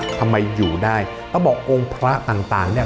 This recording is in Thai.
ทำไมอยู่ได้ต้องบอกองค์พระต่างต่างเนี่ย